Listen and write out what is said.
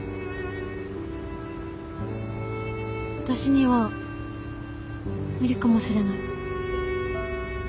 私には無理かもしれない。